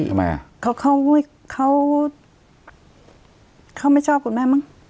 ทำไมอะ